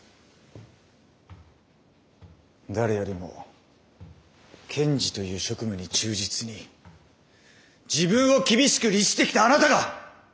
誰よりも検事という職務に忠実に自分を厳しく律してきたあなたが！